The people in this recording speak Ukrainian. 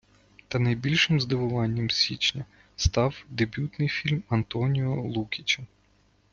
Та найбільшим здивуванням січня став дебютний фільм Антоніо Лукіча.